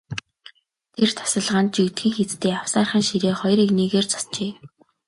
Тэр тасалгаанд жигдхэн хийцтэй авсаархан ширээ хоёр эгнээгээр засжээ.